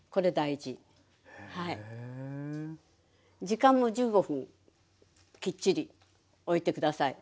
時間も１５分きっちりおいて下さい。